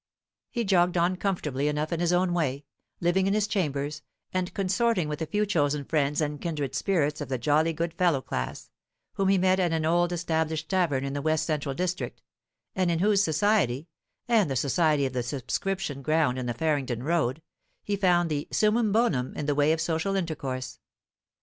He jogged on comfortably enough in his own way; living in his chambers, and consorting with a few chosen friends and kindred spirits of the jolly good fellow class, whom he met at an old established tavern in the west central district, and in whose society, and the society of the subscription ground in the Farringdon Road, he found the summum bonum in the way of social intercourse.